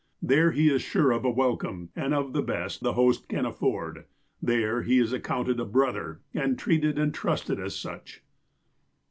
There he is sure of a welcome, and of the best the host can af ford. There, he is accounted a brother, and treated and trusted, as such.